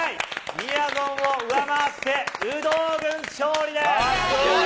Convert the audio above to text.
みやぞんを上回って、有働軍勝利すごい。